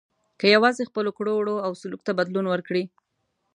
که یوازې خپلو کړو وړو او سلوک ته بدلون ورکړي.